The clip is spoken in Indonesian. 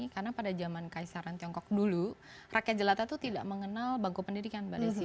karena pada zaman kaisaran tiongkok dulu rakyat jelata itu tidak mengenal bangku pendidikan